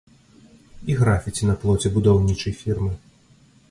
І графіці на плоце будаўнічай фірмы.